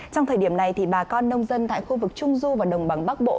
trong thời điểm này bà con nông dân tại khu vực trung du và đồng bằng bắc bộ